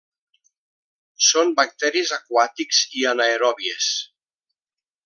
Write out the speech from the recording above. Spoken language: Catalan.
Són bacteris aquàtics i anaeròbies.